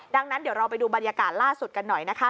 ดังนั้นเดี๋ยวเราไปดูบรรยากาศล่าสุดกันหน่อยนะคะ